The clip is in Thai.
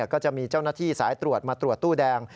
ก็จะมีเจ้าหน้าที่สายตรวจมาตรวจตู้แดง